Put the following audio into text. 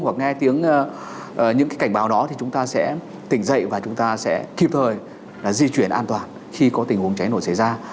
hoặc nghe tiếng những cái cảnh báo đó thì chúng ta sẽ tỉnh dậy và chúng ta sẽ kịp thời là di chuyển an toàn khi có tình huống cháy nổ xảy ra